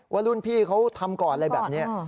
ว่ารุ่นพี่เขาทำก่อนอะไรแบบนี้